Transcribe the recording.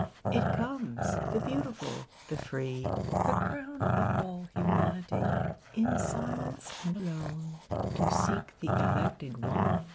It comes, — the beautiful, the free, Tl: >wn of all humanity, — In silence and alone 2Q To seek the elected one.